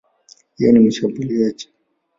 Yeye ni mshambuliaji.